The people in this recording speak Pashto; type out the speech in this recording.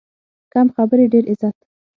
کم خبرې، ډېر عزت.